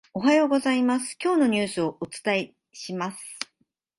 おはようございます、今日のニュースをお伝えします。